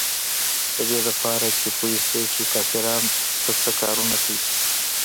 د دې دپاره چې پوې شي چې کافران سه سه کارونه کيي.